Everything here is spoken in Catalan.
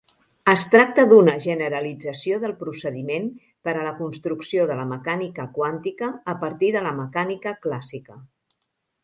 Es tracta d'una generalització del procediment per a la construcció de la mecànica quàntica a partir de la mecànica clàssica.